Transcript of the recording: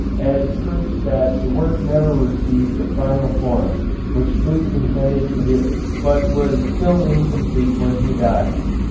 as proofs that the work never received the final form which Luke intended to give it, but was still incomplete when he died.